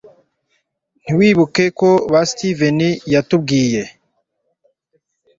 ntiwibuka ko ba steven yatubwiye